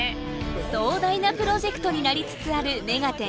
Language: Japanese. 壮大なプロジェクトになりつつある『目がテン！』